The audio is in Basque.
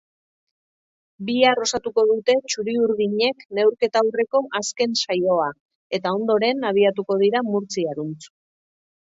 Bihar osatuko dute txuri-urdinek neurketa aurreko azken saioa eta ondoren abiatuko dira murtziaruntz.